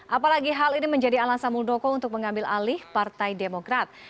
apalagi hal ini menjadi alasan muldoko untuk mengambil alih partai demokrat